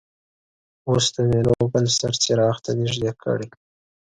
اوس د میلو بل سر څراغ ته نژدې کړئ.